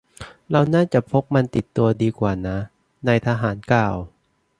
เราน่าจะพกมันติดตัวดีกว่านะ นายทหารกล่าว